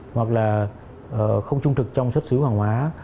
hoặc là không trung thực trong xuất xứ hàng hóa